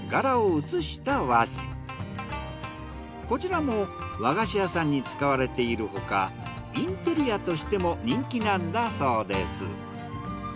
こちらも和菓子屋さんに使われているほかインテリアとしても人気なんだそうです。